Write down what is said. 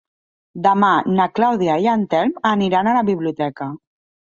Demà na Clàudia i en Telm aniran a la biblioteca.